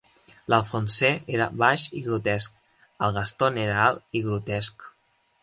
L'Alphonse era baix i grotesc; el Gaston era alt i grotesc.